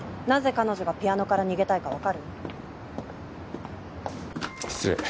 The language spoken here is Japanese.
なぜ彼女がピアノから逃げたいかわかる？